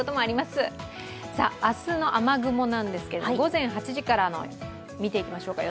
明日の雨雲なんですけど午前８時から見ていきましょう。